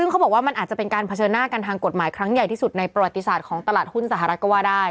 ซึ่งเขาบอกว่ามันอาจจะเป็นการเผชิญหน้ากันทางกฎหมายครั้งใหญ่ที่สุดในประวัติศาสตร์ของตลาดหุ้นสหรัฐก็ว่าได้